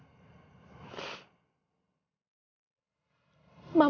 ini semua salah mama nen